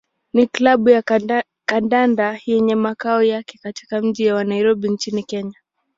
ni klabu ya kandanda yenye makao yake katika mji wa Nairobi nchini Kenya.